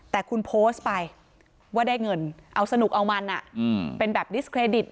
แต่คุณโพสต์ไปว่าได้เงินเอาสนุกเอามันเป็นแบบดิสเครดิต